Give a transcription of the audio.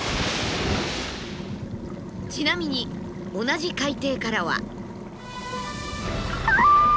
ちなみに同じ海底からは。